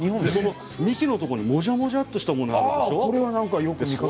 幹のところにもじゃもじゃとしたものがあるでしょう。